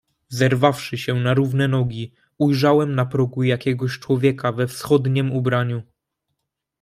"Zerwawszy się na równe nogi, ujrzałem na progu jakiegoś człowieka we wschodniem ubraniu."